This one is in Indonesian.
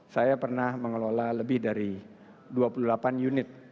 saya pernah mengelola lebih dari dua puluh delapan unit